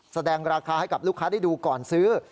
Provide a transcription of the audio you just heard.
แสดงราคาให้กับลูกค้าได้ดูก่อนซื้อ